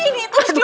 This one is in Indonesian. ini terus diobatin